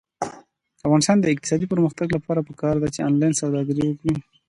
د افغانستان د اقتصادي پرمختګ لپاره پکار ده چې آنلاین سوداګري وي.